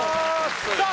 さあ